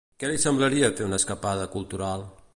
Què li semblaria fer una escapada cultural?